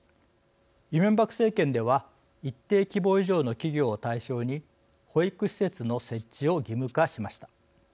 イ・ミョンバク政権では一定規模以上の企業を対象に保育施設の設置を義務化しました。